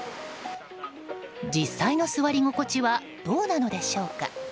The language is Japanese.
実際の座り心地はどうなのでしょうか？